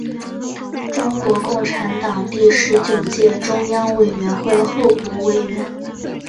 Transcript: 中国共产党第十九届中央委员会候补委员。